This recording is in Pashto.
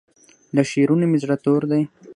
له شعرونو مې زړه تور دی